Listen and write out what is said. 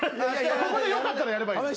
ここでよかったらやればいい。